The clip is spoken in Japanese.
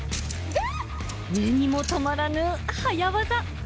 目にも止まらぬ早業。